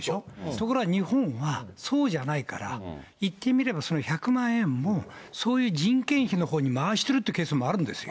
ところが日本はそうじゃないから、言ってみればその１００万円もそういう人件費のほうに回してるというケースもあるんですよ。